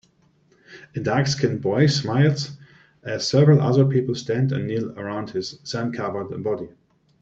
A darkskinned boy smiles as several other people stand and kneel around his sandcovered body.